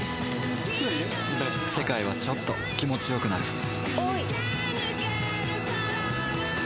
世界はちょっと気持ちよくなる